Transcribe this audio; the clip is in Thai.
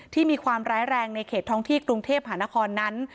ที่มีความร้ายแรงในเขตท้องที่กรุงเทพหานครนั้น